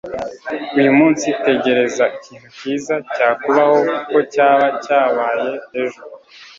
uyu munsi tegereza ikintu cyiza cyakubaho uko cyaba cyabaye ejo